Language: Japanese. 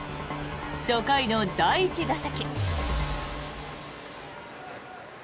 初回の第１打席。